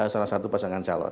salah satu pasangan calon